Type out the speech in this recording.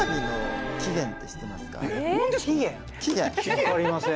分かりません。